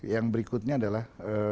yang berikutnya adalah